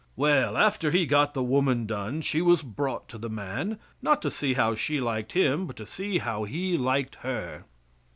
Well, after He got the woman done she was brought to the man, not to see how she liked him, but to see how he liked her.